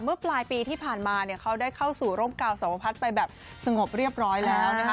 เมื่อปลายปีที่ผ่านมาเนี่ยเขาได้เข้าสู่ร่มกาวสวพัฒน์ไปแบบสงบเรียบร้อยแล้วนะคะ